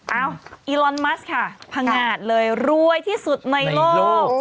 อีลอนมัสค่ะพังงาดเลยรวยที่สุดในโลก